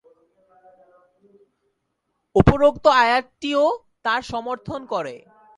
উপরোক্ত আয়াতটিও তার সমর্থন করে।